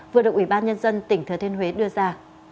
vừa được ủy ban nhân dân tỉnh thừa thiên huế đưa ra